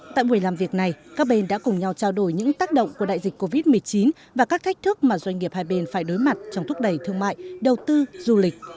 tại buổi làm việc này các bên đã cùng nhau trao đổi những tác động của đại dịch covid một mươi chín và các thách thức mà doanh nghiệp hai bên phải đối mặt trong thúc đẩy thương mại đầu tư du lịch